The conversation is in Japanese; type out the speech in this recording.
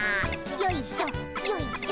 よいしょよいしょ。